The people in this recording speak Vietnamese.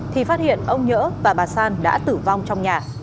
thì phát hiện ông nhỡ và bà san đã tử vong trong nhà